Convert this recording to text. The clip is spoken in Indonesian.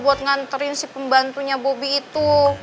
buat nganterin si pembantunya bobi itu